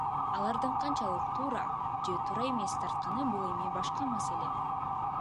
Алардын канчалык туура же туура эмес тартканы бул эми башка маселе.